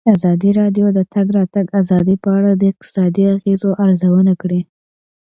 ازادي راډیو د د تګ راتګ ازادي په اړه د اقتصادي اغېزو ارزونه کړې.